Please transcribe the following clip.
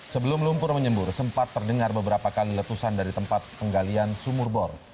sebelum lumpur menyembur sempat terdengar beberapa kali letusan dari tempat penggalian sumur bor